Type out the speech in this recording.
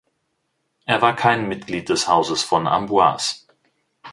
Er war kein Mitglied des Hauses von Amboise.